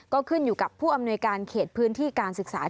ก็ขึ้นอยู่กับผู้อำนวยการเขตพื้นที่การศึกษา